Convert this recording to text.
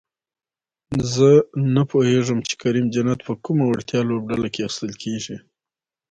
زه نپوهېږم چې کریم جنت په کومه وړتیا لوبډله کې اخیستل کیږي؟